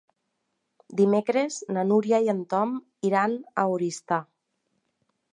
Dimecres na Núria i en Tom iran a Oristà.